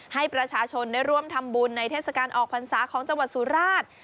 ให้ประชาชนได้ร่วมทำบุญในเทศกาลออกพรรษาของจังหวัดสุราช